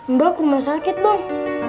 mbak rumah sakit bang